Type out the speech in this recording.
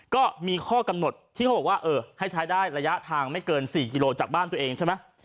ก็มีข้อกำหนดที่เขาบอกว่าเออให้ใช้ได้ระยะทางไม่เกิน๔กิโลจากบ้านตัวเองใช่ไหม